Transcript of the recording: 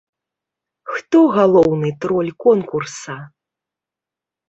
Хто галоўны троль конкурса?